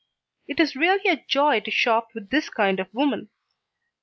It is really a joy to shop with this kind of woman.